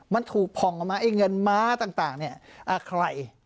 มันถูกผ่องออกมาไอ้เงินม้าต่างเนี่ยใคร